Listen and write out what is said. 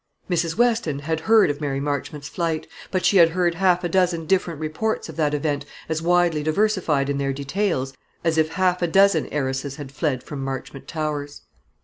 Mrs. Weston had heard of Mary Marchmont's flight; but she had heard half a dozen different reports of that event, as widely diversified in their details as if half a dozen heiresses had fled from Marchmont Towers.